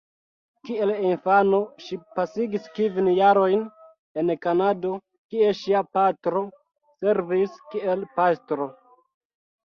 Kiel infano ŝi pasigis kvin jarojn en Kanado, kie ŝia patro servis kiel pastro.